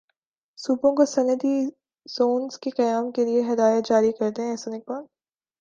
صوبوں کو صنعتی زونز کے قیام کیلئے ہدایات جاری کردیں احسن اقبال